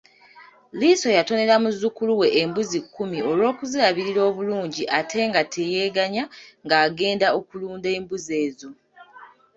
Liiso yatonera muzzukulu we embuzi kkumi olw’okuzirabirira obulungi ate nga teyeeganya ng’agenda okulunda embuzi ezo.